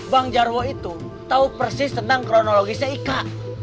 bang jarwo itu tahu persis tentang kronologisnya ika